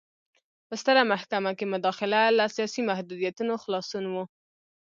په ستره محکمه کې مداخله له سیاسي محدودیتونو خلاصون و.